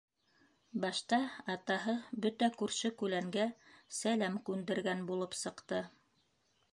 Башта атаһы бөтә күрше-күләнгә сәләм күндергән булып сыҡты.